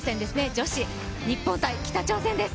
女子、日本×北朝鮮です。